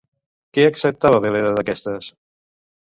Què acceptava Veleda d'aquestes?